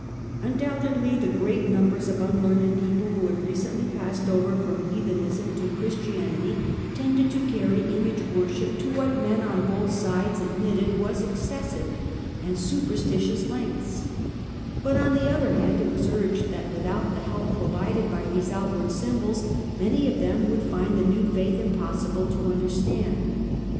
Un doubtedly the great numbers of unlearned people who had recently passed over from heathenism to Christianity tended to carry image worship to what men on both sides admitted were excessive and superstitious lengths ; but on the other hand it was urged that without the help provided by these outward symbols many of them would find the new faith impossible to understand.